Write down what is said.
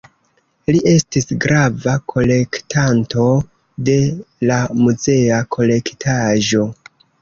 Li estis grava kolektanto de la muzea kolektaĵo.